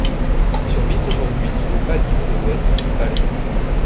Il survit aujourd'hui sous le pavillon de l'ouest du palais.